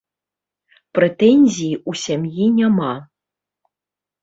Прэтэнзій у сям'і няма.